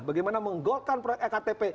bagaimana menggolkan proyek ektp